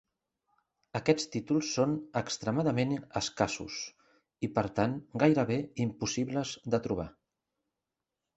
Aquests títols són extremadament escassos i per tant gairebé impossibles de trobar.